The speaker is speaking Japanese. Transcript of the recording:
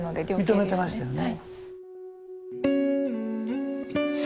認めてましたよね。